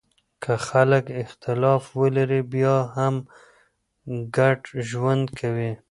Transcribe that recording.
که خلګ اختلاف ولري بیا هم ګډ ژوند کوي.